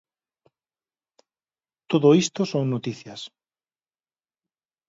Todo isto son noticias.